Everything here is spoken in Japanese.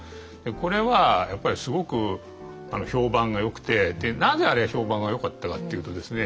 これはやっぱりすごく評判がよくてなぜあれが評判がよかったかっていうとですね